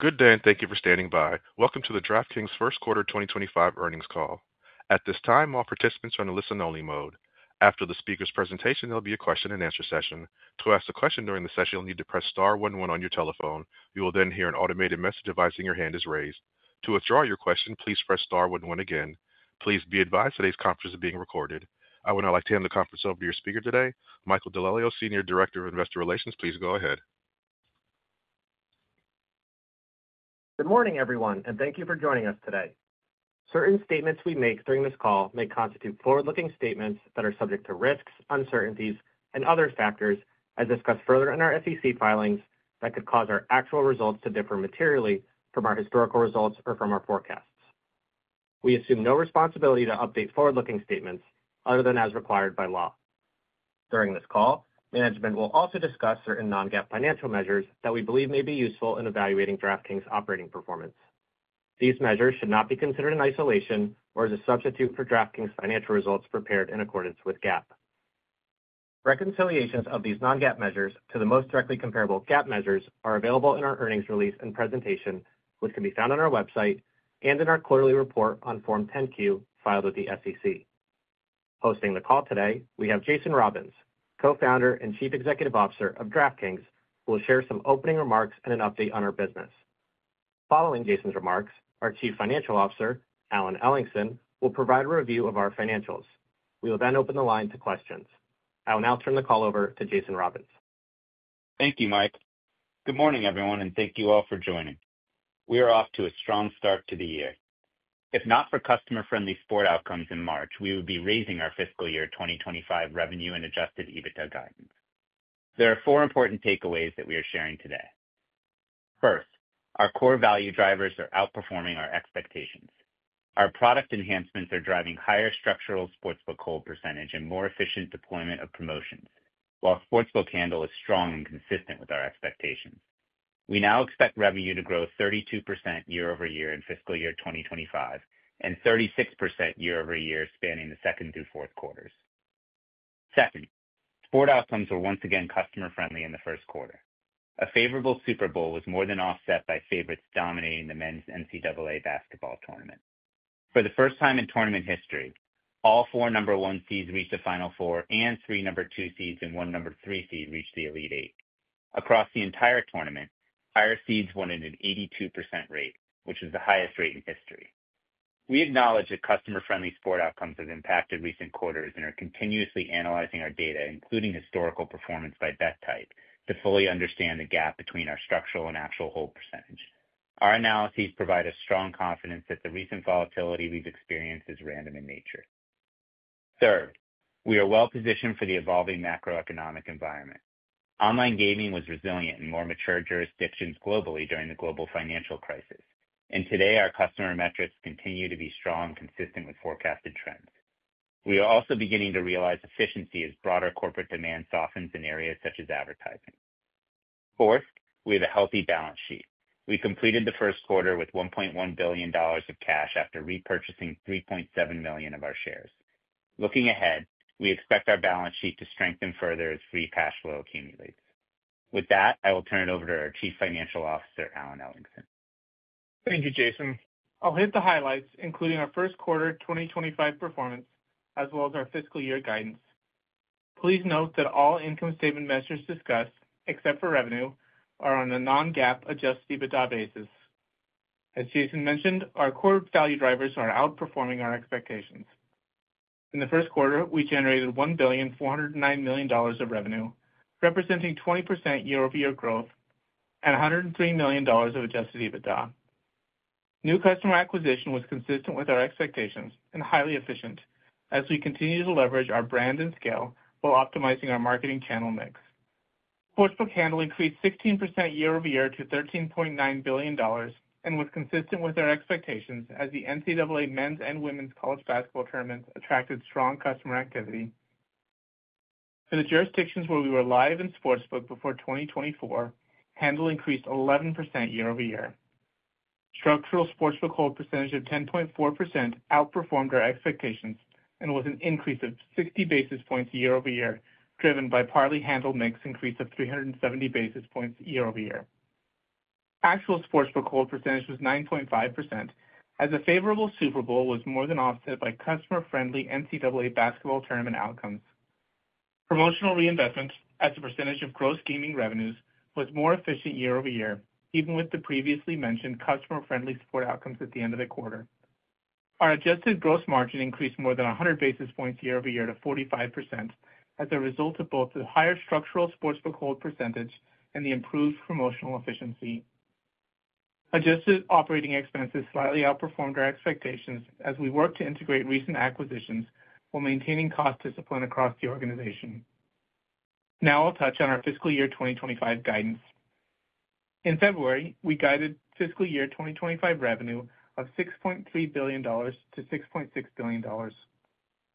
Good day, and thank you for standing by. Welcome to the DraftKings First Quarter 2025 earnings call. At this time, all participants are in a listen-only mode. After the speaker's presentation, there'll be a question-and-answer session. To ask a question during the session, you'll need to press star one one on your telephone. You will then hear an automated message advising your hand is raised. To withdraw your question, please press star one one again. Please be advised today's conference is being recorded. I would now like to hand the conference over to your speaker today, Michael DeLalio, Senior Director of Investor Relations. Please go ahead. Good morning, everyone, and thank you for joining us today. Certain statements we make during this call may constitute forward-looking statements that are subject to risks, uncertainties, and other factors, as discussed further in our SEC filings, that could cause our actual results to differ materially from our historical results or from our forecasts. We assume no responsibility to update forward-looking statements other than as required by law. During this call, management will also discuss certain non-GAAP financial measures that we believe may be useful in evaluating DraftKings' operating performance. These measures should not be considered in isolation or as a substitute for DraftKings' financial results prepared in accordance with GAAP. Reconciliations of these non-GAAP measures to the most directly comparable GAAP measures are available in our earnings release and presentation, which can be found on our website and in our quarterly report on Form 10Q filed with the SEC. Hosting the call today, we have Jason Robins, Co-founder and Chief Executive Officer of DraftKings, who will share some opening remarks and an update on our business. Following Jason's remarks, our Chief Financial Officer, Alan Ellingson, will provide a review of our financials. We will then open the line to questions. I will now turn the call over to Jason Robins. Thank you, Mike. Good morning, everyone, and thank you all for joining. We are off to a strong start to the year. If not for customer-friendly sport outcomes in March, we would be raising our fiscal year 2025 revenue and adjusted EBITDA guidance. There are four important takeaways that we are sharing today. First, our core value drivers are outperforming our expectations. Our product enhancements are driving higher structural Sportsbook hold percentage and more efficient deployment of promotions, while Sportsbook handle is strong and consistent with our expectations. We now expect revenue to grow 32% year over year in fiscal year 2025 and 36% year over year spanning the second through fourth quarters. Second, sport outcomes were once again customer-friendly in the first quarter. A favorable Super Bowl was more than offset by favorites dominating the men's NCAA basketball tournament. For the first time in tournament history, all four number-one seeds reached the Final Four, and three number-two seeds and one number-three seed reached the Elite Eight. Across the entire tournament, higher seeds won at an 82% rate, which was the highest rate in history. We acknowledge that customer-friendly sport outcomes have impacted recent quarters, and are continuously analyzing our data, including historical performance by bet type, to fully understand the gap between our structural and actual hold percentage. Our analyses provide us strong confidence that the recent volatility we've experienced is random in nature. Third, we are well-positioned for the evolving macroeconomic environment. Online gaming was resilient in more mature jurisdictions globally during the global financial crisis, and today our customer metrics continue to be strong and consistent with forecasted trends. We are also beginning to realize efficiency as broader corporate demand softens in areas such as advertising. Fourth, we have a healthy balance sheet. We completed the first quarter with $1.1 billion of cash after repurchasing $3.7 million of our shares. Looking ahead, we expect our balance sheet to strengthen further as free cash flow accumulates. With that, I will turn it over to our Chief Financial Officer, Alan Ellingson. Thank you, Jason. I'll hit the highlights, including our first quarter 2025 performance, as well as our fiscal year guidance. Please note that all income statement measures discussed, except for revenue, are on a non-GAAP adjusted EBITDA basis. As Jason mentioned, our core value drivers are outperforming our expectations. In the first quarter, we generated $1,409,000,000 of revenue, representing 20% year-over-year growth and $103,000,000 of adjusted EBITDA. New customer acquisition was consistent with our expectations and highly efficient, as we continue to leverage our brand and scale while optimizing our marketing channel mix. Sportsbook handle increased 16% year-over-year to $13.9 billion and was consistent with our expectations, as the NCAA men's and women's college basketball tournaments attracted strong customer activity. For the jurisdictions where we were live in Sportsbook before 2024, handle increased 11% year-over-year. Structural Sportsbook hold percentage of 10.4% outperformed our expectations and was an increase of 60 basis points year-over-year, driven by partly handle mix increase of 370 basis points year-over-year. Actual Sportsbook hold percentage was 9.5%, as a favorable Super Bowl was more than offset by customer-friendly NCAA basketball tournament outcomes. Promotional reinvestment, as a percentage of gross gaming revenues, was more efficient year-over-year, even with the previously mentioned customer-friendly sport outcomes at the end of the quarter. Our adjusted gross margin increased more than 100 basis points year-over-year to 45%, as a result of both the higher structural Sportsbook hold percentage and the improved promotional efficiency. Adjusted operating expenses slightly outperformed our expectations as we worked to integrate recent acquisitions while maintaining cost discipline across the organization. Now I'll touch on our fiscal year 2025 guidance. In February, we guided fiscal year 2025 revenue of $6.3 billion-$6.6 billion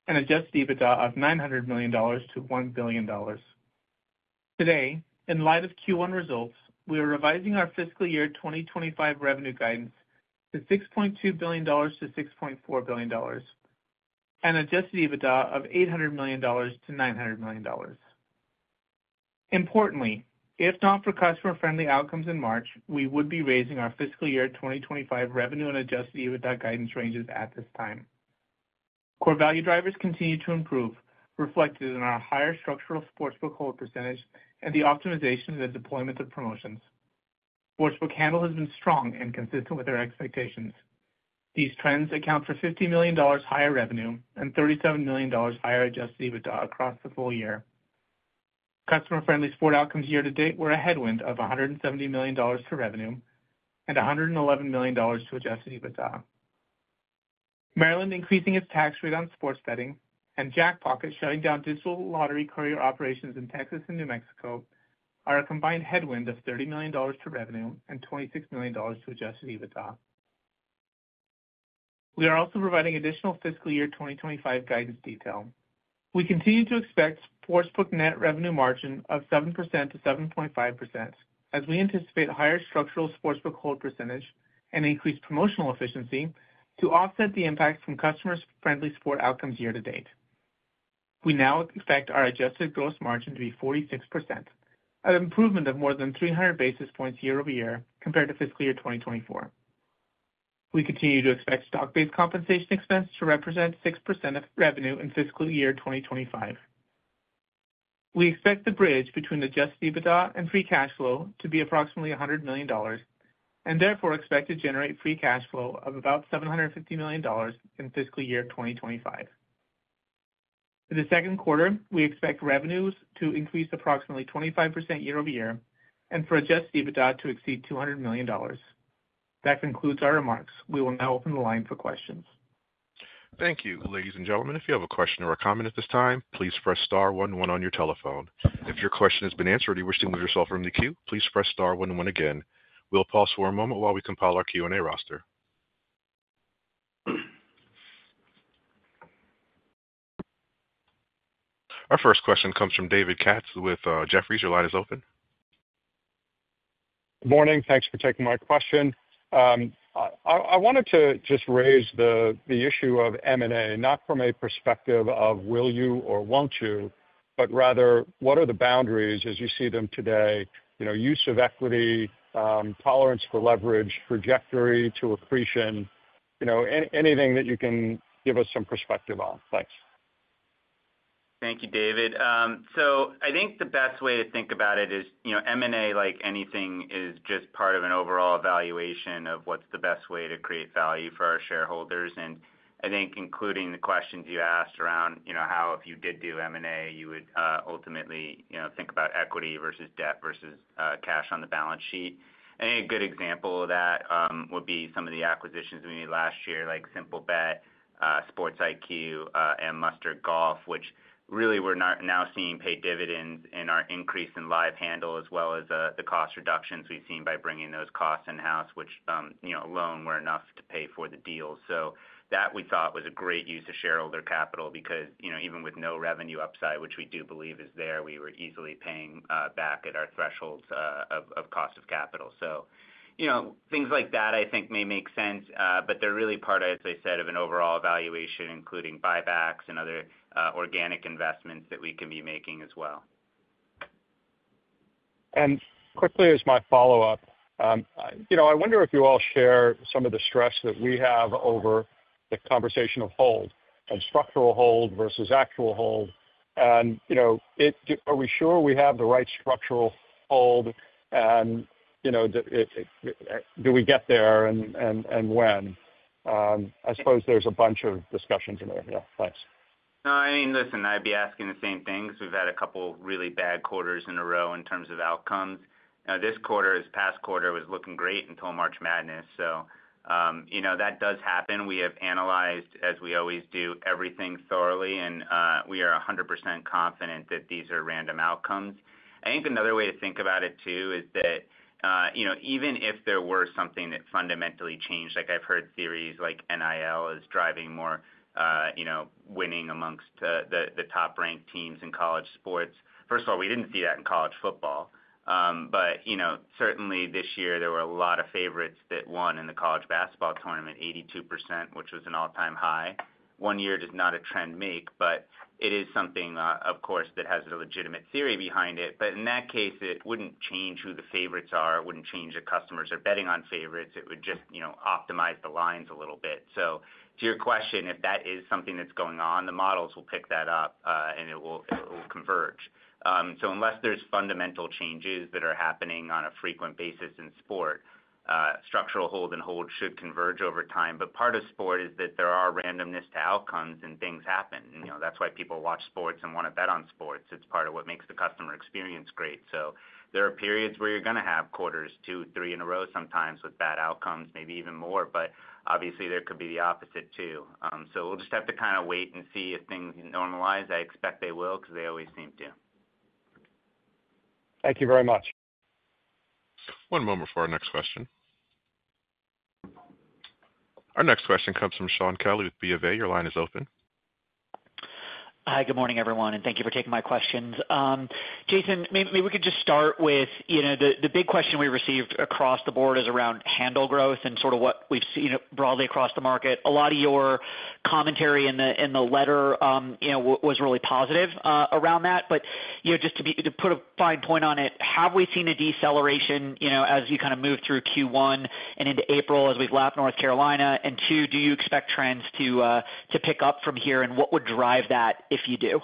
and adjusted EBITDA of $900 million-$1 billion. Today, in light of Q1 results, we are revising our fiscal year 2025 revenue guidance to $6.2 billion-$6.4 billion and adjusted EBITDA of $800 million-$900 million. Importantly, if not for customer-friendly outcomes in March, we would be raising our fiscal year 2025 revenue and adjusted EBITDA guidance ranges at this time. Core value drivers continue to improve, reflected in our higher structural Sportsbook hold percentage and the optimization of the deployment of promotions. Sportsbook handle has been strong and consistent with our expectations. These trends account for $50 million higher revenue and $37 million higher adjusted EBITDA across the full year. Customer-friendly sport outcomes year-to-date were a headwind of $170 million to revenue and $111 million to adjusted EBITDA. Maryland increasing its tax rate on sports betting and Jackpocket shutting down digital lottery courier operations in Texas and New Mexico are a combined headwind of $39 to revenue and $26 million to adjusted EBITDA. We are also providing additional fiscal year 2025 guidance detail. We continue to expect Sportsbook net revenue margin of 7%-7.5%, as we anticipate higher structural Sportsbook hold percentage and increased promotional efficiency to offset the impacts from customer-friendly sport outcomes year-to-date. We now expect our adjusted gross margin to be 46%, an improvement of more than 300 basis points year-over-year compared to fiscal year 2024. We continue to expect stock-based compensation expense to represent 6% of revenue in fiscal year 2025. We expect the bridge between adjusted EBITDA and free cash flow to be approximately $100 million and therefore expect to generate free cash flow of about $750 million in fiscal year 2025. For the second quarter, we expect revenues to increase approximately 25% year-over-year and for adjusted EBITDA to exceed $200 million. That concludes our remarks. We will now open the line for questions. Thank you. Ladies and gentlemen, if you have a question or a comment at this time, please press star one one on your telephone. If your question has been answered or you wish to move yourself from the queue, please press star one one again. We'll pause for a moment while we compile our Q&A roster. Our first question comes from David Katz with Jefferies. Your line is open. Good morning. Thanks for taking my question. I wanted to just raise the issue of M&A, not from a perspective of will you or won't you, but rather what are the boundaries as you see them today? Use of equity, tolerance for leverage, trajectory to accretion, anything that you can give us some perspective on. Thanks. Thank you, David. I think the best way to think about it is M&A, like anything, is just part of an overall evaluation of what's the best way to create value for our shareholders. I think including the questions you asked around how, if you did do M&A, you would ultimately think about equity versus debt versus cash on the balance sheet. A good example of that would be some of the acquisitions we made last year, like Simplebet, SportsIQ, and Mustard Golf, which really we're now seeing pay dividends in our increase in live handle, as well as the cost reductions we've seen by bringing those costs in-house, which alone were enough to pay for the deal. That we thought was a great use of shareholder capital because even with no revenue upside, which we do believe is there, we were easily paying back at our thresholds of cost of capital. Things like that, I think, may make sense, but they're really part, as I said, of an overall evaluation, including buybacks and other organic investments that we can be making as well. Quickly, as my follow-up, I wonder if you all share some of the stress that we have over the conversation of hold and structural hold versus actual hold. Are we sure we have the right structural hold, and do we get there, and when? I suppose there is a bunch of discussions in there. Yeah, thanks. No, I mean, listen, I'd be asking the same thing because we've had a couple of really bad quarters in a row in terms of outcomes. This quarter, as past quarter, was looking great until March Madness. That does happen. We have analyzed, as we always do, everything thoroughly, and we are 100% confident that these are random outcomes. I think another way to think about it, too, is that even if there were something that fundamentally changed, like I've heard theories like NIL is driving more winning amongst the top-ranked teams in college sports. First of all, we didn't see that in college football. Certainly this year, there were a lot of favorites that won in the college basketball tournament, 82%, which was an all-time high. One year does not a trend make, but it is something, of course, that has a legitimate theory behind it. In that case, it wouldn't change who the favorites are. It wouldn't change that customers are betting on favorites. It would just optimize the lines a little bit. To your question, if that is something that's going on, the models will pick that up, and it will converge. Unless there's fundamental changes that are happening on a frequent basis in sport, structural hold and hold should converge over time. Part of sport is that there are randomness to outcomes, and things happen. That's why people watch sports and want to bet on sports. It's part of what makes the customer experience great. There are periods where you're going to have quarters, two, three in a row sometimes with bad outcomes, maybe even more, but obviously there could be the opposite, too. We'll just have to kind of wait and see if things normalize. I expect they will because they always seem to. Thank you very much. One moment for our next question. Our next question comes from Shaun Kelley with Bank of America. Your line is open. Hi, good morning, everyone, and thank you for taking my questions. Jason, maybe we could just start with the big question we received across the board is around handle growth and sort of what we've seen broadly across the market. A lot of your commentary in the letter was really positive around that. Just to put a fine point on it, have we seen a deceleration as you kind of move through Q1 and into April as we lap North Carolina? Two, do you expect trends to pick up from here, and what would drive that if you do?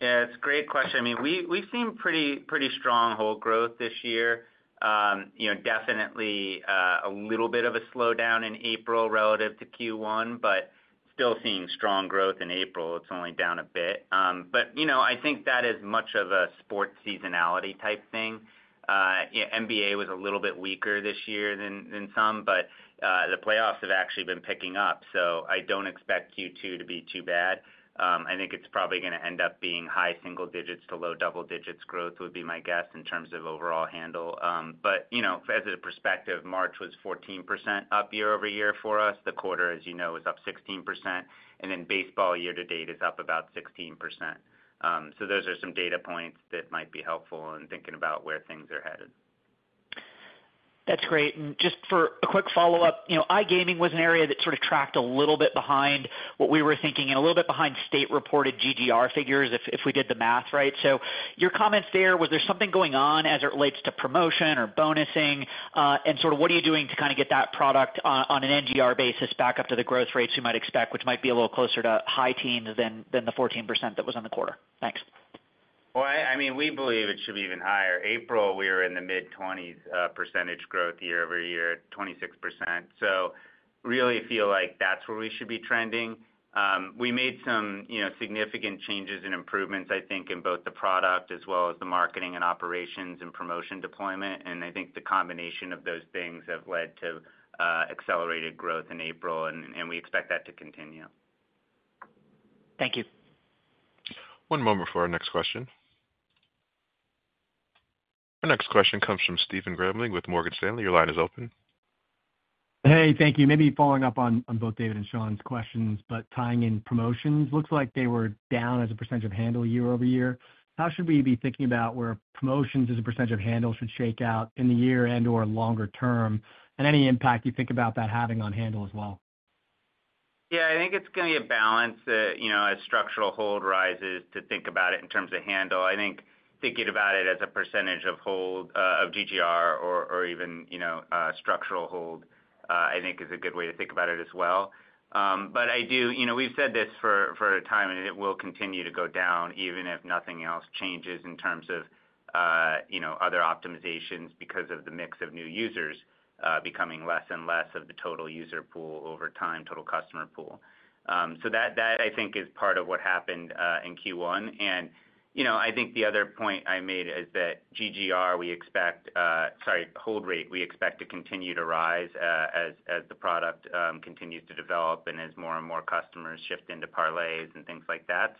Yeah, it's a great question. I mean, we've seen pretty strong hold growth this year. Definitely a little bit of a slowdown in April relative to Q1, but still seeing strong growth in April. It's only down a bit. I think that is much of a sports seasonality type thing. NBA was a little bit weaker this year than some, but the playoffs have actually been picking up. I don't expect Q2 to be too bad. I think it's probably going to end up being high single digits to low double digits growth would be my guess in terms of overall handle. As a perspective, March was 14% up year-over-year for us. The quarter, as you know, was up 16%. Baseball year-to-date is up about 16%. Those are some data points that might be helpful in thinking about where things are headed. That's great. Just for a quick follow-up, iGaming was an area that sort of tracked a little bit behind what we were thinking and a little bit behind state-reported GGR figures if we did the math right. Your comments there, was there something going on as it relates to promotion or bonusing? What are you doing to kind of get that product on an NGR basis back up to the growth rates we might expect, which might be a little closer to high teens than the 14% that was in the quarter? Thanks. I mean, we believe it should be even higher. April, we were in the mid-20s percentage growth year-over-year, 26%. So really feel like that's where we should be trending. We made some significant changes and improvements, I think, in both the product as well as the marketing and operations and promotion deployment. I think the combination of those things have led to accelerated growth in April, and we expect that to continue. Thank you. One moment for our next question. Our next question comes from Stephen Grambling with Morgan Stanley. Your line is open. Hey, thank you. Maybe following up on both David and Shaun's questions, but tying in promotions, looks like they were down as a percentage of handle year-over-year. How should we be thinking about where promotions as a percentage of handle should shake out in the year and/or longer term? Any impact you think about that having on handle as well? Yeah, I think it's going to be a balance as structural hold rises to think about it in terms of handle. I think thinking about it as a percentage of hold of GGR or even structural hold, I think, is a good way to think about it as well. I do, we've said this for a time, and it will continue to go down even if nothing else changes in terms of other optimizations because of the mix of new users becoming less and less of the total user pool over time, total customer pool. That, I think, is part of what happened in Q1. I think the other point I made is that GGR, we expect, sorry, hold rate, we expect to continue to rise as the product continues to develop and as more and more customers shift into parlays and things like that.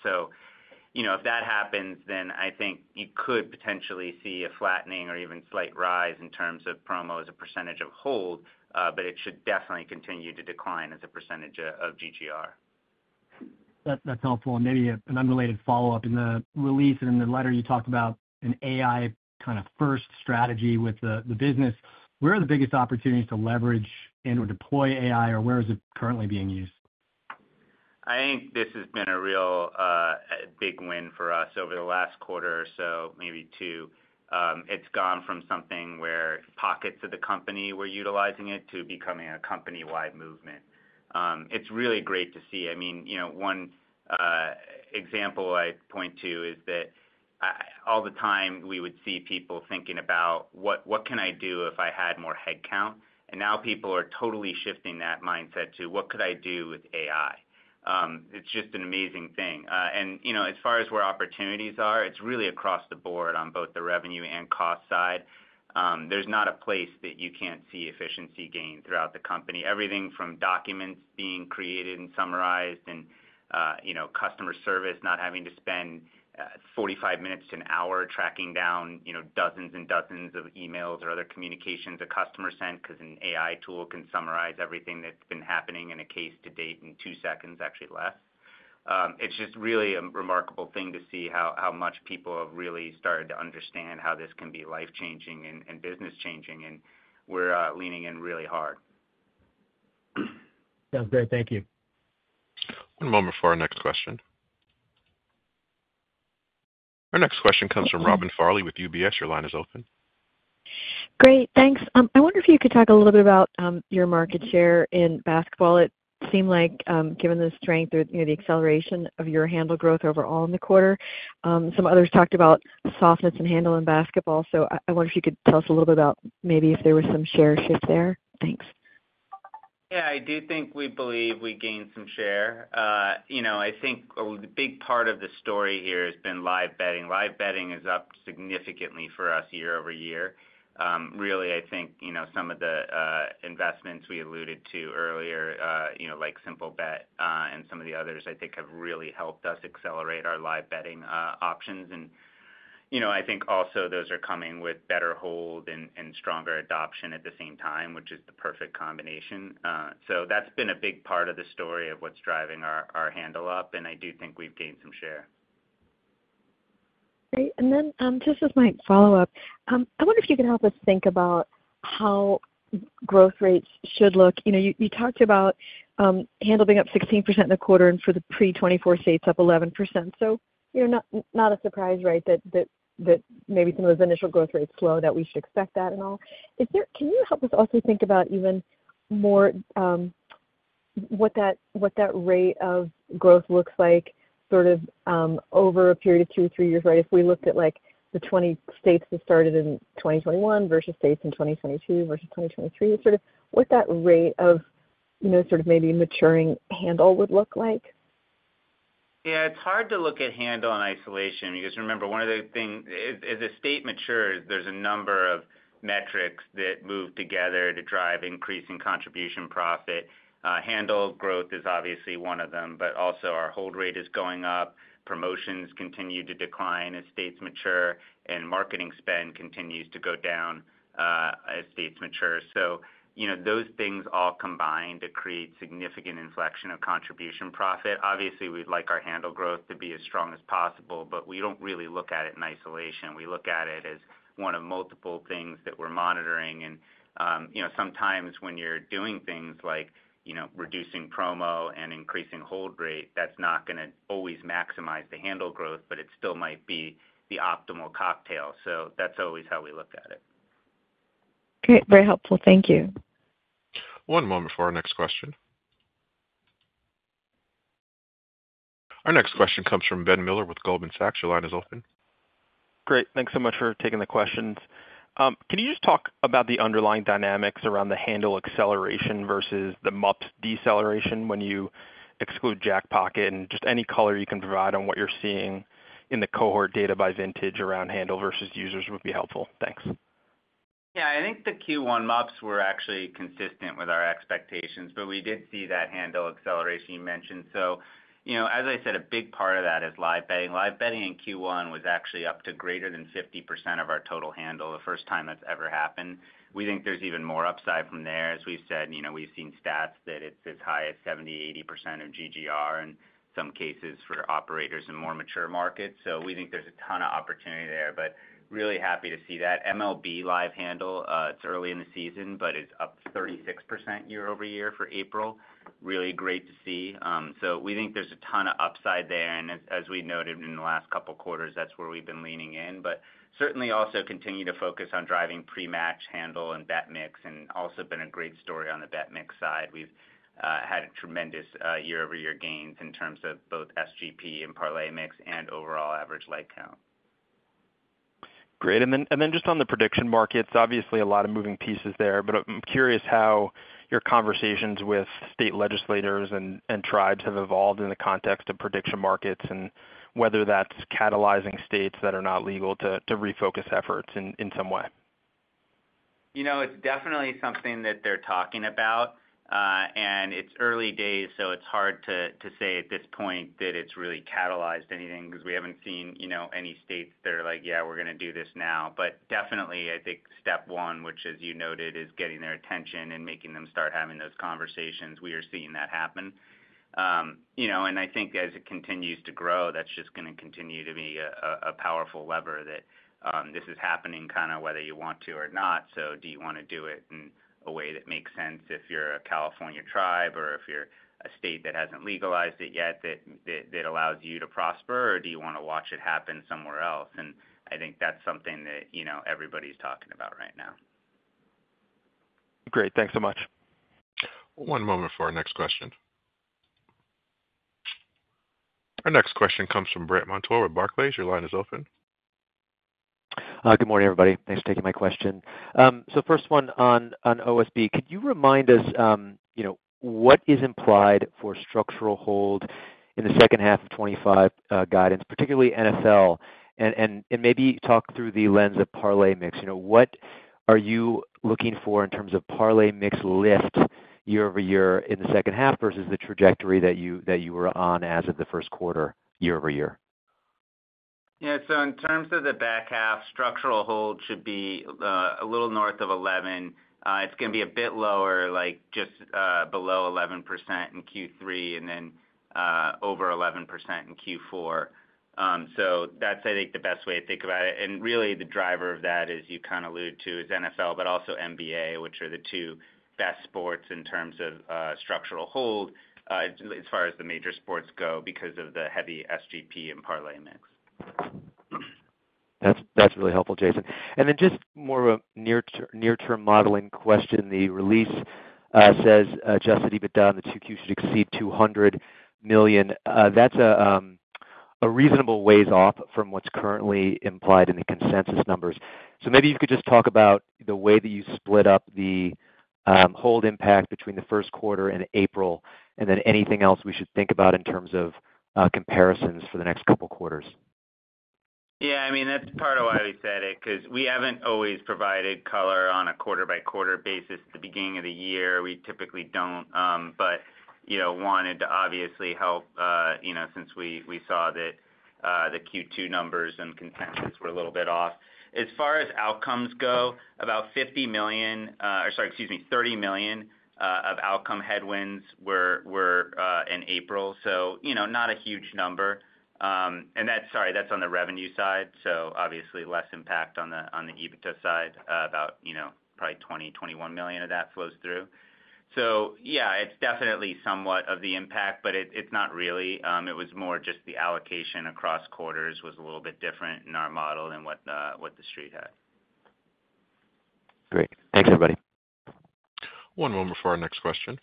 If that happens, then I think you could potentially see a flattening or even slight rise in terms of promo as a percentage of hold, but it should definitely continue to decline as a percentage of GGR. That's helpful. Maybe an unrelated follow-up, in the release and in the letter, you talked about an AI kind of first strategy with the business. Where are the biggest opportunities to leverage and/or deploy AI, or where is it currently being used? I think this has been a real big win for us over the last quarter or so, maybe two. It's gone from something where pockets of the company were utilizing it to becoming a company-wide movement. It's really great to see. I mean, one example I point to is that all the time we would see people thinking about, "What can I do if I had more headcount?" and now people are totally shifting that mindset to, "What could I do with AI?" It's just an amazing thing. As far as where opportunities are, it's really across the board on both the revenue and cost side. There's not a place that you can't see efficiency gain throughout the company. Everything from documents being created and summarized and customer service not having to spend 45 minutes to an hour tracking down dozens and dozens of emails or other communications a customer sent because an AI tool can summarize everything that's been happening in a case to date in two seconds, actually less. It's just really a remarkable thing to see how much people have really started to understand how this can be life-changing and business-changing, and we're leaning in really hard. Sounds great. Thank you. One moment for our next question. Our next question comes from Robin Farley with UBS. Your line is open. Great. Thanks. I wonder if you could talk a little bit about your market share in basketball. It seemed like, given the strength or the acceleration of your handle growth overall in the quarter, some others talked about softness in handle in basketball. I wonder if you could tell us a little bit about maybe if there was some share shift there. Thanks. Yeah, I do think we believe we gained some share. I think a big part of the story here has been live betting. Live betting is up significantly for us year-over-year. Really, I think some of the investments we alluded to earlier, like Simplebet and some of the others, I think have really helped us accelerate our live betting options. I think also those are coming with better hold and stronger adoption at the same time, which is the perfect combination. That has been a big part of the story of what's driving our handle up, and I do think we've gained some share. Great. Just as my follow-up, I wonder if you could help us think about how growth rates should look. You talked about handle being up 16% in the quarter and for the pre-2024 states up 11%. Not a surprise, right, that maybe some of those initial growth rates slow, that we should expect that and all. Can you help us also think about even more what that rate of growth looks like sort of over a period of two or three years, right? If we looked at the 20 states that started in 2021 versus states in 2022 versus 2023, sort of what that rate of sort of maybe maturing handle would look like? Yeah, it's hard to look at handle in isolation because remember, one of the things as a state matures, there's a number of metrics that move together to drive increasing contribution profit. Handle growth is obviously one of them, but also our hold rate is going up. Promotions continue to decline as states mature, and marketing spend continues to go down as states mature. Those things all combine to create significant inflection of contribution profit. Obviously, we'd like our handle growth to be as strong as possible, but we don't really look at it in isolation. We look at it as one of multiple things that we're monitoring. Sometimes when you're doing things like reducing promo and increasing hold rate, that's not going to always maximize the handle growth, but it still might be the optimal cocktail. That's always how we look at it. Okay. Very helpful. Thank you. One moment for our next question. Our next question comes from Ben Miller with Goldman Sachs. Your line is open. Great. Thanks so much for taking the questions. Can you just talk about the underlying dynamics around the handle accelerationd versus the MUPS deceleration when you exclude Jackpocket? Any color you can provide on what you're seeing in the cohort data by vintage around handle versus users would be helpful. Thanks. Yeah, I think the Q1 MUPS were actually consistent with our expectations, but we did see that handle acceleration you mentioned. As I said, a big part of that is live betting. Live betting in Q1 was actually up to greater than 50% of our total handle, the first time that's ever happened. We think there's even more upside from there. As we've said, we've seen stats that it's as high as 70-80% of GGR in some cases for operators in more mature markets. We think there's a ton of opportunity there, really happy to see that. MLB live handle, it's early in the season, but it's up 36% year-over-year for April. Really great to see. We think there's a ton of upside there. As we noted in the last couple of quarters, that's where we've been leaning in. Certainly also continue to focus on driving pre-match handle and bet mix, and also been a great story on the bet mix side. We've had tremendous year-over-year gains in terms of both SGP and parlay mix and overall average leg count. Great. Just on the prediction markets, obviously a lot of moving pieces there, but I'm curious how your conversations with state legislators and tribes have evolved in the context of prediction markets and whether that's catalyzing states that are not legal to refocus efforts in some way. It's definitely something that they're talking about, and it's early days, so it's hard to say at this point that it's really catalyzed anything because we haven't seen any states that are like, "Yeah, we're going to do this now." I think step one, which, as you noted, is getting their attention and making them start having those conversations. We are seeing that happen. I think as it continues to grow, that's just going to continue to be a powerful lever that this is happening kind of whether you want to or not. Do you want to do it in a way that makes sense if you're a California tribe or if you're a state that hasn't legalized it yet that allows you to prosper? Or do you want to watch it happen somewhere else? I think that's something that everybody's talking about right now. Great. Thanks so much. One moment for our next question. Our next question comes from Brandt Montour with Barclays. Your line is open. Good morning, everybody. Thanks for taking my question. First one on OSB, could you remind us what is implied for structural hold in the second half of 2025 guidance, particularly NFL? Maybe talk through the lens of parlay mix. What are you looking for in terms of parlay mix lift year-over-year in the second half versus the trajectory that you were on as of the first quarter year-over-year? Yeah. In terms of the back half, structural hold should be a little north of 11%. It's going to be a bit lower, like just below 11% in Q3 and then over 11% in Q4. I think that's the best way to think about it. Really, the driver of that, as you kind of alluded to, is NFL, but also NBA, which are the two best sports in terms of structural hold as far as the major sports go because of the heavy SGP and parlay mix. That's really helpful, Jason. Then just more of a near-term modeling question. The release says adjusted EBITDA on the Q2 should exceed $200 million. That's a reasonable ways off from what's currently implied in the consensus numbers. Maybe you could just talk about the way that you split up the hold impact between the first quarter and April, and then anything else we should think about in terms of comparisons for the next couple of quarters. Yeah. I mean, that's part of why we said it, because we haven't always provided color on a quarter-by-quarter basis at the beginning of the year. We typically don't, but wanted to obviously help since we saw that the Q2 numbers and consensus were a little bit off. As far as outcomes go, about $50 million or sorry, excuse me, $30 million of outcome headwinds were in April. So not a huge number. And sorry, that's on the revenue side. So obviously less impact on the EBITDA side, about probably $20 million, $21 million of that flows through. Yeah, it's definitely somewhat of the impact, but it's not really. It was more just the allocation across quarters was a little bit different in our model than what the street had. Great. Thanks, everybody. One moment for our next question.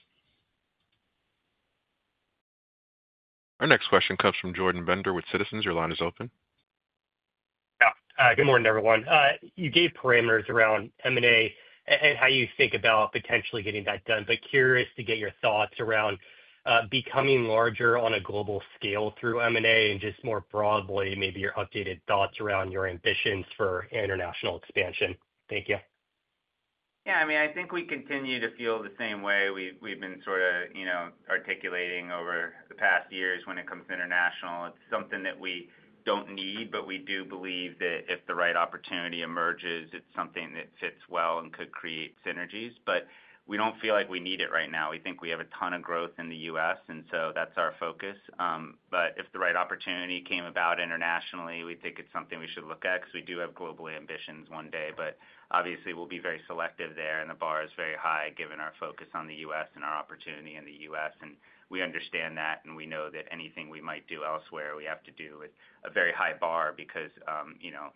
Our next question comes from Jordan Bender with Citizens. Your line is open. Yeah. Good morning, everyone. You gave parameters around M&A and how you think about potentially getting that done, but curious to get your thoughts around becoming larger on a global scale through M&A and just more broadly, maybe your updated thoughts around your ambitions for international expansion. Thank you. Yeah. I mean, I think we continue to feel the same way. We've been sort of articulating over the past years when it comes to international. It's something that we don't need, but we do believe that if the right opportunity emerges, it's something that fits well and could create synergies. We don't feel like we need it right now. We think we have a ton of growth in the U.S., and so that's our focus. If the right opportunity came about internationally, we think it's something we should look at because we do have global ambitions one day. Obviously, we'll be very selective there, and the bar is very high given our focus on the U.S. and our opportunity in the U.S. We understand that, and we know that anything we might do elsewhere, we have to do with a very high bar because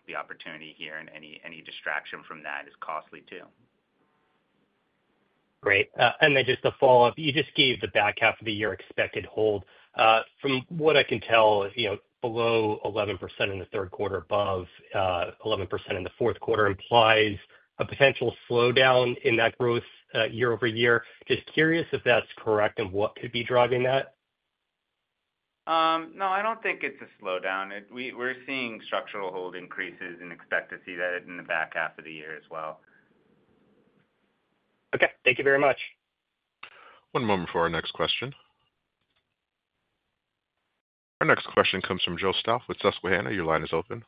the opportunity here and any distraction from that is costly too. Great. Just to follow up, you just gave the back half of the year expected hold. From what I can tell, below 11% in the third quarter, above 11% in the fourth quarter implies a potential slowdown in that growth year-over-year. Just curious if that's correct and what could be driving that. No, I don't think it's a slowdown. We're seeing structural hold increases and expect to see that in the back half of the year as well. Okay. Thank you very much. One moment for our next question. Our next question comes from Joe Stauff with Susquehanna. Your line is open.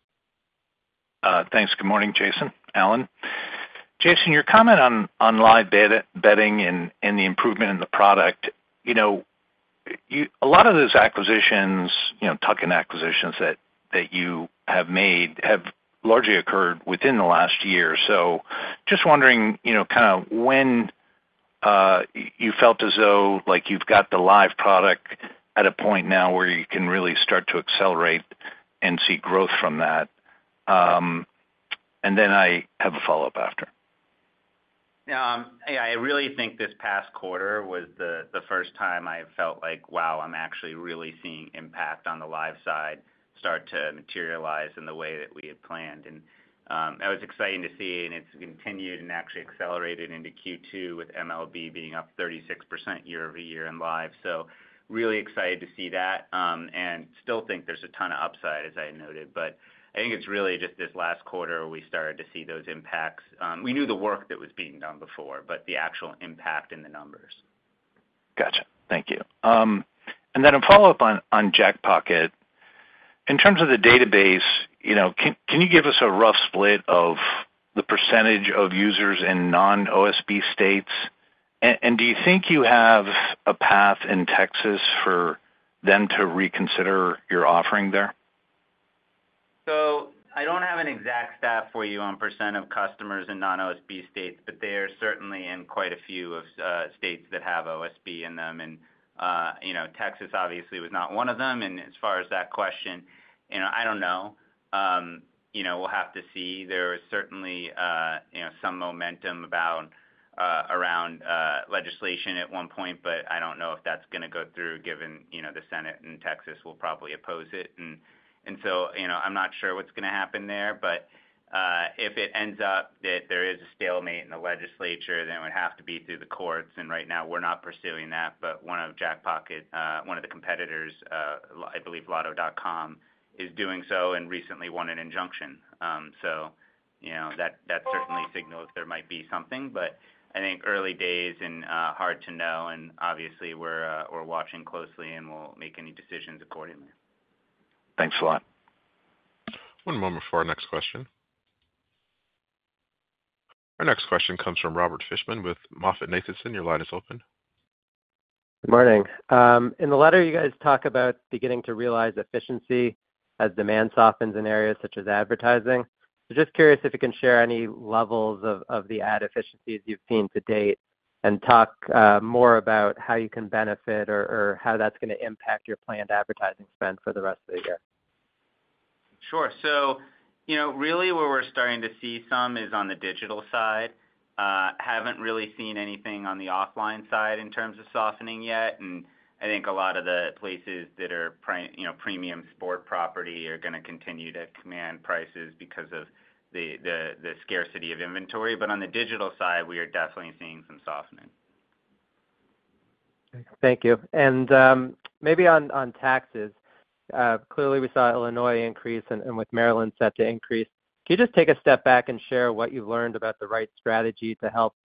Thanks. Good morning, Jason. Alan. Jason, your comment on live betting and the improvement in the product, a lot of those acquisitions, tuck-in acquisitions that you have made have largely occurred within the last year. Just wondering kind of when you felt as though you've got the live product at a point now where you can really start to accelerate and see growth from that. I have a follow-up after. Yeah. I really think this past quarter was the first time I felt like, "Wow, I'm actually really seeing impact on the live side start to materialize in the way that we had planned." It was exciting to see it, and it has continued and actually accelerated into Q2 with MLB being up 36% year-over-year in live. I am really excited to see that and still think there's a ton of upside, as I noted. I think it's really just this last quarter we started to see those impacts. We knew the work that was being done before, but the actual impact in the numbers. Gotcha. Thank you. And then a follow-up on Jackpocket. In terms of the database, can you give us a rough split of the percentage of users in non-OSB states? And do you think you have a path in Texas for them to reconsider your offering there? I don't have an exact stat for you on percent of customers in non-OSB states, but they are certainly in quite a few states that have OSB in them. Texas, obviously, was not one of them. As far as that question, I don't know. We'll have to see. There was certainly some momentum around legislation at one point, but I don't know if that's going to go through given the Senate in Texas will probably oppose it. I'm not sure what's going to happen there. If it ends up that there is a stalemate in the legislature, then it would have to be through the courts. Right now, we're not pursuing that. One of Jackpocket, one of the competitors, I believe Lotto.com, is doing so and recently won an injunction. That certainly signals there might be something. I think early days and hard to know. Obviously, we're watching closely and we'll make any decisions accordingly. Thanks a lot. One moment for our next question. Our next question comes from Robert Fishman with MoffettNathanson. Your line is open. Good morning. In the letter, you guys talk about beginning to realize efficiency as demand softens in areas such as advertising. Just curious if you can share any levels of the ad efficiencies you've seen to date and talk more about how you can benefit or how that's going to impact your planned advertising spend for the rest of the year. Sure. So really, where we're starting to see some is on the digital side. Haven't really seen anything on the offline side in terms of softening yet. I think a lot of the places that are premium sport property are going to continue to command prices because of the scarcity of inventory. On the digital side, we are definitely seeing some softening. Thank you. Maybe on taxes, clearly, we saw Illinois increase and with Maryland set to increase. Can you just take a step back and share what you've learned about the right strategy to help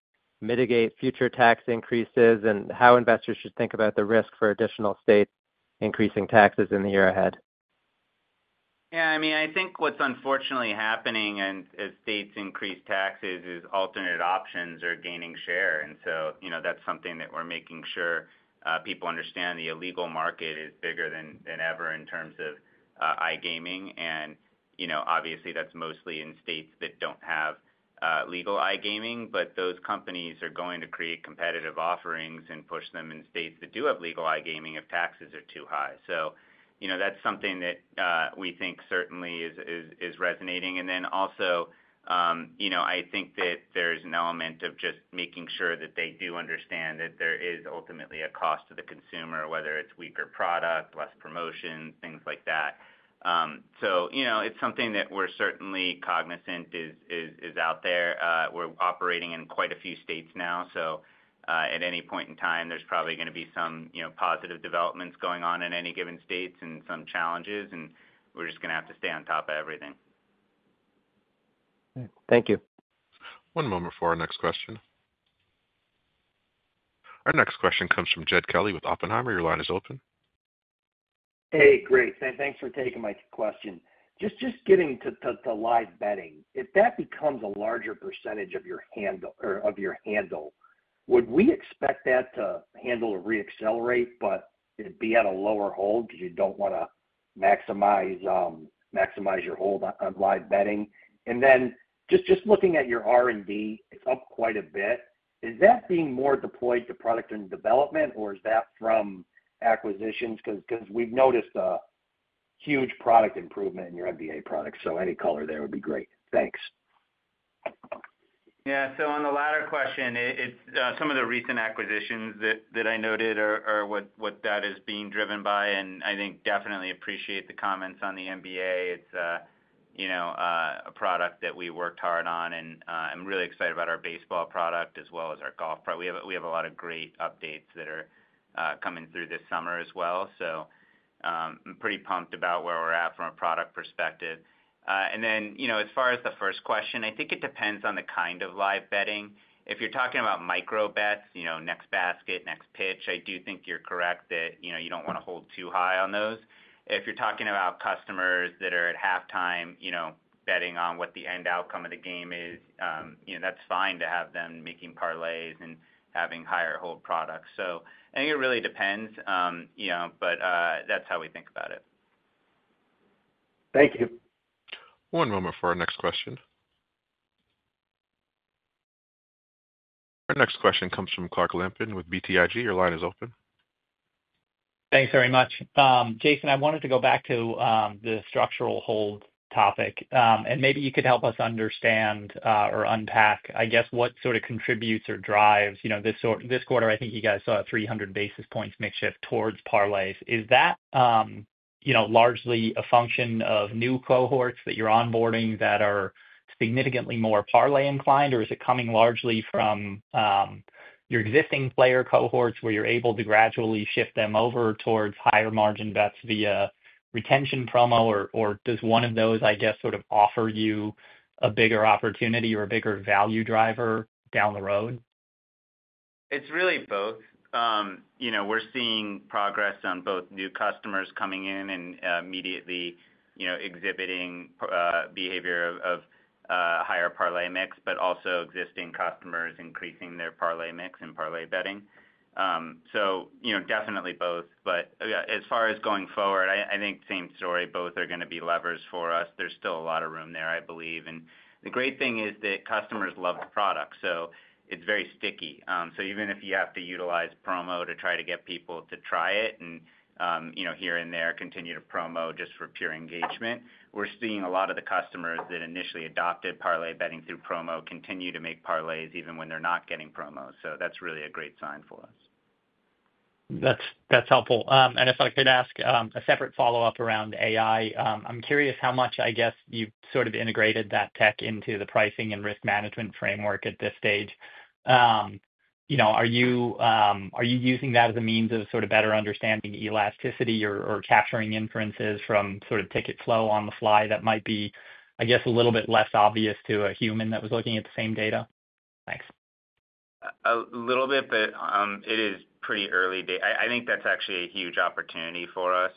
mitigate future tax increases and how investors should think about the risk for additional states increasing taxes in the year ahead? Yeah. I mean, I think what's unfortunately happening as states increase taxes is alternate options are gaining share. That is something that we're making sure people understand. The illegal market is bigger than ever in terms of iGaming. Obviously, that's mostly in states that do not have legal iGaming, but those companies are going to create competitive offerings and push them in states that do have legal iGaming if taxes are too high. That is something that we think certainly is resonating. I think that there's an element of just making sure that they do understand that there is ultimately a cost to the consumer, whether it's weaker product, less promotions, things like that. It is something that we're certainly cognizant is out there. We're operating in quite a few states now. At any point in time, there's probably going to be some positive developments going on in any given states and some challenges. We're just going to have to stay on top of everything. Thank you. One moment for our next question. Our next question comes from Jed Kelly with Oppenheimer. Your line is open. Hey, Greg. Thanks for taking my question. Just getting to live betting, if that becomes a larger percentage of your handle, would we expect that to handle or re-accelerate, but it'd be at a lower hold because you do not want to maximize your hold on live betting? Just looking at your R&D, it's up quite a bit. Is that being more deployed to product and development, or is that from acquisitions? Because we've noticed a huge product improvement in your NBA product. Any color there would be great. Thanks. Yeah. On the latter question, some of the recent acquisitions that I noted are what that is being driven by. I think definitely appreciate the comments on the NBA. It's a product that we worked hard on. I'm really excited about our baseball product as well as our golf product. We have a lot of great updates that are coming through this summer as well. I'm pretty pumped about where we're at from a product perspective. As far as the first question, I think it depends on the kind of live betting. If you're talking about microbets, next basket, next pitch, I do think you're correct that you don't want to hold too high on those. If you're talking about customers that are at halftime betting on what the end outcome of the game is, that's fine to have them making parlays and having higher hold products. I think it really depends, but that's how we think about it. Thank you. One moment for our next question. Our next question comes from Clark Lampen with BTIG. Your line is open. Thanks very much. Jason, I wanted to go back to the structural hold topic. Maybe you could help us understand or unpack, I guess, what sort of contributes or drives this quarter. I think you guys saw a 300 basis points makeshift towards parlays. Is that largely a function of new cohorts that you're onboarding that are significantly more parlay inclined, or is it coming largely from your existing player cohorts where you're able to gradually shift them over towards higher margin bets via retention promo, or does one of those, I guess, sort of offer you a bigger opportunity or a bigger value driver down the road? It's really both. We're seeing progress on both new customers coming in and immediately exhibiting behavior of higher parlay mix, but also existing customers increasing their parlay mix and parlay betting. Definitely both. As far as going forward, I think same story. Both are going to be levers for us. There's still a lot of room there, I believe. The great thing is that customers love the product. It's very sticky. Even if you have to utilize promo to try to get people to try it and here and there continue to promote just for pure engagement, we're seeing a lot of the customers that initially adopted parlay betting through promo continue to make parlays even when they're not getting promo. That's really a great sign for us. That's helpful. If I could ask a separate follow-up around AI, I'm curious how much, I guess, you've sort of integrated that tech into the pricing and risk management framework at this stage. Are you using that as a means of sort of better understanding elasticity or capturing inferences from sort of ticket flow on the fly that might be, I guess, a little bit less obvious to a human that was looking at the same data? Thanks. A little bit, but it is pretty early. I think that's actually a huge opportunity for us.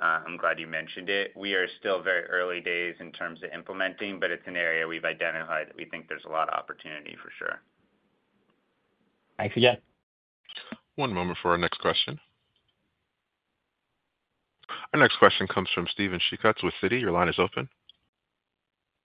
I'm glad you mentioned it. We are still very early days in terms of implementing, but it's an area we've identified that we think there's a lot of opportunity for sure. Thanks, again. One moment for our next question. Our next question comes from Steven Katz with Citi. Your line is open.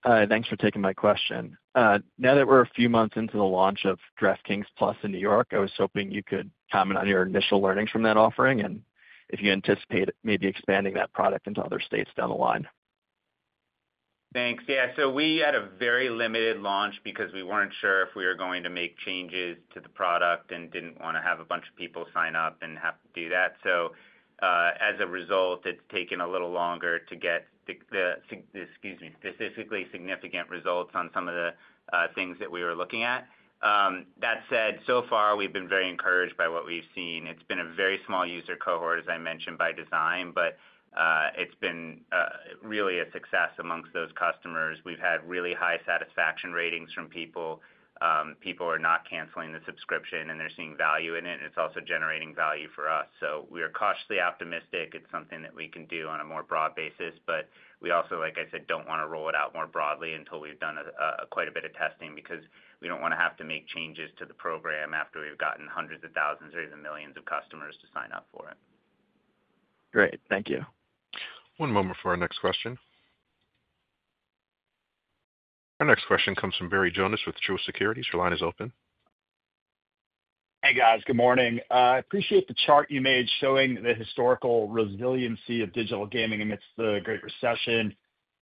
Hi. Thanks for taking my question. Now that we're a few months into the launch of DraftKings Plus in New York, I was hoping you could comment on your initial learnings from that offering and if you anticipate maybe expanding that product into other states down the line. Thanks. Yeah. We had a very limited launch because we were not sure if we were going to make changes to the product and did not want to have a bunch of people sign up and have to do that. As a result, it has taken a little longer to get the, excuse me, statistically significant results on some of the things that we were looking at. That said, so far, we have been very encouraged by what we have seen. It has been a very small user cohort, as I mentioned, by design, but it has been really a success amongst those customers. We have had really high satisfaction ratings from people. People are not canceling the subscription, and they are seeing value in it. It is also generating value for us. We are cautiously optimistic. It is something that we can do on a more broad basis. We also, like I said, do not want to roll it out more broadly until we have done quite a bit of testing because we do not want to have to make changes to the program after we have gotten hundreds of thousands or even millions of customers to sign up for it. Great. Thank you. One moment for our next question. Our next question comes from Barry Jonas with Truist Securities. Your line is open. Hey, guys. Good morning. I appreciate the chart you made showing the historical resiliency of digital gaming amidst the Great Recession.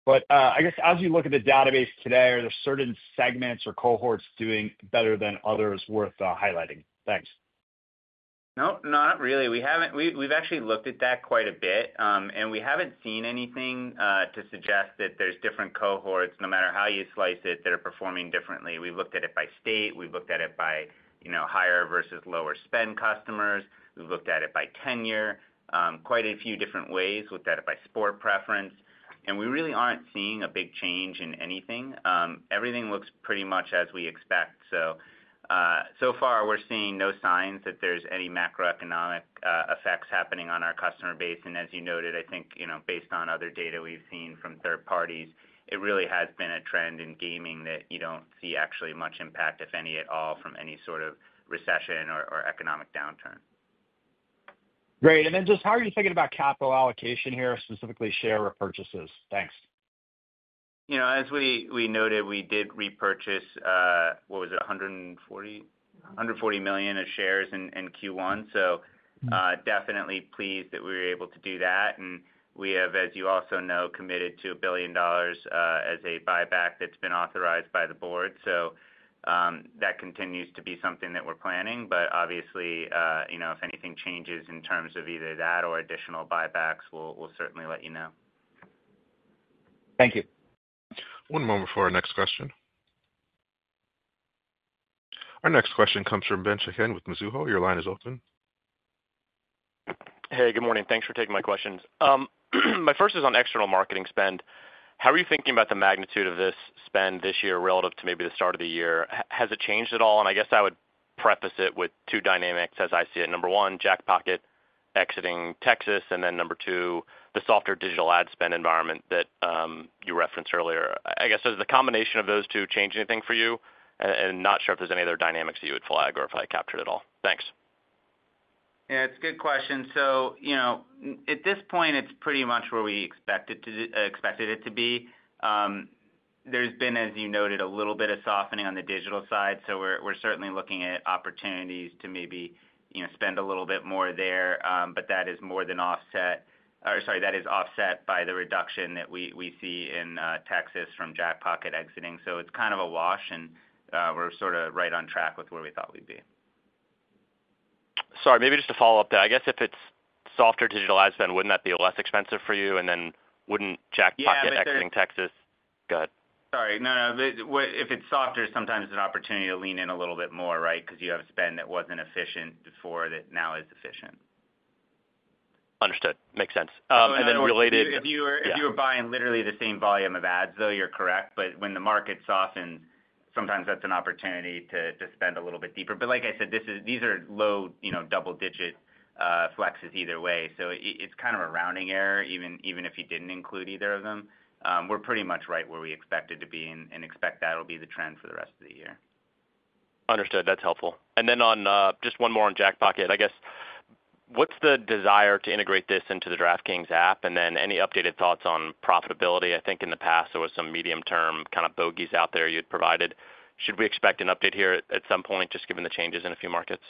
I guess as you look at the database today, are there certain segments or cohorts doing better than others worth highlighting? Thanks. No, not really. We've actually looked at that quite a bit. We haven't seen anything to suggest that there's different cohorts, no matter how you slice it, that are performing differently. We've looked at it by state. We've looked at it by higher versus lower spend customers. We've looked at it by tenure, quite a few different ways. We looked at it by sport preference. We really aren't seeing a big change in anything. Everything looks pretty much as we expect. So far, we're seeing no signs that there's any macroeconomic effects happening on our customer base. As you noted, I think based on other data we've seen from third parties, it really has been a trend in gaming that you don't see actually much impact, if any at all, from any sort of recession or economic downturn. Great. And then just how are you thinking about capital allocation here, specifically share repurchases? Thanks. As we noted, we did repurchase, what was it, $140 million of shares in Q1. Definitely pleased that we were able to do that. We have, as you also know, committed to $1 billion as a buyback that's been authorized by the board. That continues to be something that we're planning. Obviously, if anything changes in terms of either that or additional buybacks, we'll certainly let you know. Thank you. One moment for our next question. Our next question comes from Ben Chaiken with Mizuho. Your line is open. Hey, good morning. Thanks for taking my questions. My first is on external marketing spend. How are you thinking about the magnitude of this spend this year relative to maybe the start of the year? Has it changed at all? I guess I would preface it with two dynamics as I see it. Number one, Jackpocket exiting Texas. Number two, the softer digital ad spend environment that you referenced earlier. I guess, does the combination of those two change anything for you? Not sure if there's any other dynamics that you would flag or if I captured it all. Thanks. Yeah. It's a good question. At this point, it's pretty much where we expected it to be. There's been, as you noted, a little bit of softening on the digital side. We're certainly looking at opportunities to maybe spend a little bit more there. That is offset by the reduction that we see in Texas from Jackpocket exiting. It's kind of a wash. We're sort of right on track with where we thought we'd be. Sorry, maybe just a follow-up there. I guess if it's softer digital ad spend, wouldn't that be less expensive for you? Wouldn't Jackpocket exiting Texas? Yes. Go ahead. Sorry. No, no. If it's softer, sometimes it's an opportunity to lean in a little bit more, right, because you have spend that wasn't efficient before that now is efficient. Understood. Makes sense. And then related. If you were buying literally the same volume of ads, though, you're correct. When the market softens, sometimes that's an opportunity to spend a little bit deeper. Like I said, these are low double-digit flexes either way. It's kind of a rounding error, even if you didn't include either of them. We're pretty much right where we expected to be and expect that will be the trend for the rest of the year. Understood. That's helpful. Just one more on Jackpocket. I guess, what's the desire to integrate this into the DraftKings app? Any updated thoughts on profitability? I think in the past, there were some medium-term kind of bogeys out there you had provided. Should we expect an update here at some point, just given the changes in a few markets?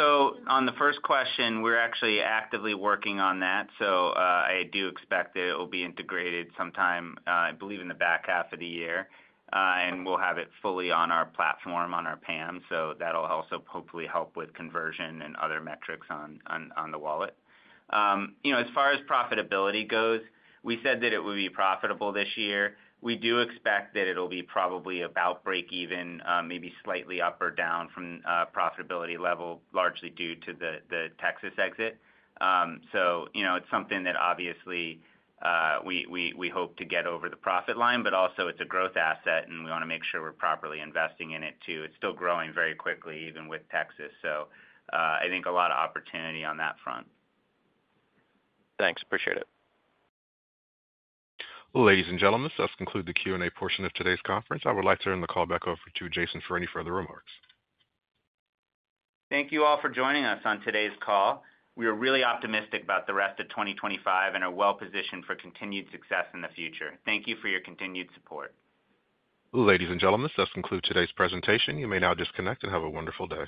On the first question, we're actually actively working on that. I do expect that it will be integrated sometime, I believe, in the back half of the year. We'll have it fully on our platform, on our PAM. That'll also hopefully help with conversion and other metrics on the wallet. As far as profitability goes, we said that it would be profitable this year. We do expect that it'll be probably about break-even, maybe slightly up or down from profitability level, largely due to the Texas exit. It's something that obviously we hope to get over the profit line. Also, it's a growth asset, and we want to make sure we're properly investing in it too. It's still growing very quickly, even with Texas. I think a lot of opportunity on that front. Thanks. Appreciate it. Ladies and gentlemen, this does conclude the Q&A portion of today's conference. I would like to turn the call back over to Jason for any further remarks. Thank you all for joining us on today's call. We are really optimistic about the rest of 2025 and are well-positioned for continued success in the future. Thank you for your continued support. Ladies and gentlemen, this does conclude today's presentation. You may now disconnect and have a wonderful day.